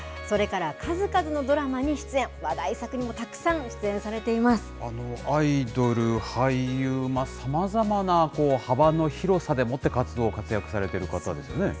それから数々のドラマに出演、話題作にもたくさん出演されていまアイドル、俳優、さまざまな幅の広さでもって、活動されてる方ですよね。